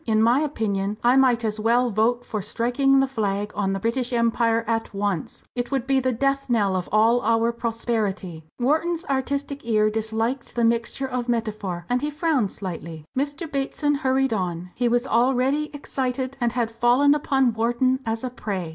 In my opinion I might as well vote for striking the flag on the British Empire at once! It would be the death knell of all our prosperity." Wharton's artistic ear disliked the mixture of metaphor, and he frowned slightly. Mr. Bateson hurried on. He was already excited, and had fallen upon Wharton as a prey.